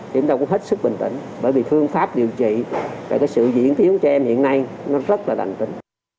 chúng ta cũng hết sức bình tĩnh bởi vì phương pháp điều trị và sự diễn thiếu cho em hiện nay nó rất là đành tinh